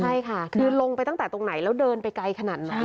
ใช่ค่ะคือลงไปตั้งแต่ตรงไหนแล้วเดินไปไกลขนาดไหน